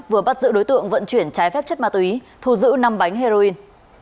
vừa bắt giữ đối tượng vận chuyển trái phép chất ma túy thu giữ năm bánh heroin